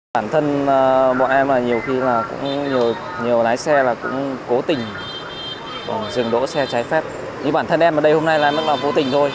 bản thân bọn em là nhiều khi là cũng nhiều lái xe là cũng cố tình dừng đỗ xe trái phép như bản thân em ở đây hôm nay là nó là vô tình thôi